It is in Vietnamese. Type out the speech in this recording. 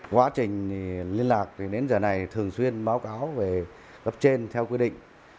quá trình liên lạc đến giờ này thường xuyên báo cáo về gấp trên theo quy định